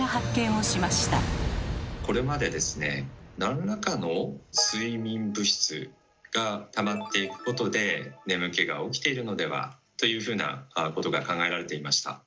これまでですねなんらかの睡眠物質がたまっていくことで眠気が起きているのでは？というふうなことが考えられていました。